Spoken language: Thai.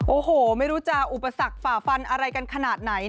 โอ้โหไม่รู้จะอุปสรรคฝ่าฟันอะไรกันขนาดไหน